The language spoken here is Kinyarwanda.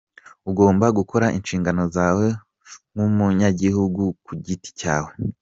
Ugomba gukora inshingano zawe nk’umunyagihugu ku giti cyawe.